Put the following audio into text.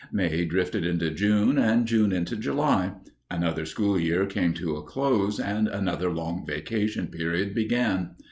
May drifted into June and June into July. Another school year came to a close and another long vacation period began.